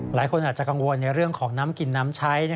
หลายคนอาจจะกังวลในเรื่องของน้ำกินน้ำใช้